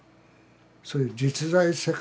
そういう実在世界